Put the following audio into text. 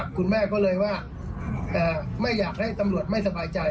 คุณแม่ก็เลยว่าไม่อยากให้ตำรวจไม่สบายใจ